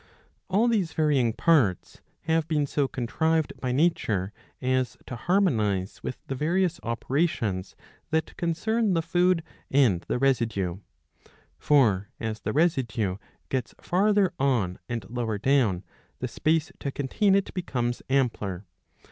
All these varying parts have been so contrived by nature as to harmonize with the various operations that concern the food and the residue. For, as the residue gets farther on and lower down, the space to contain it becomes ampler.